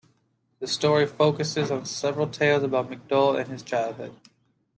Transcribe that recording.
The story focuses on several tales about McDull and his childhood.